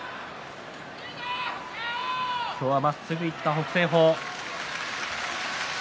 今日はまっすぐいった北青鵬力